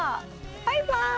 バイバーイ！